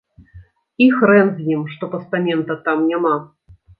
І хрэн з ім, што пастамента там няма.